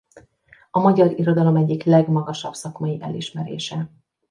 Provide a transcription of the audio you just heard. A magyar irodalom egyik legmagasabb szakmai elismerése.